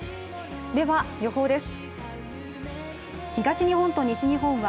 では予報です。